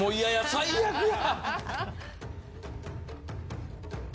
最悪や！